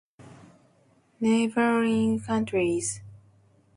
Neighboring countries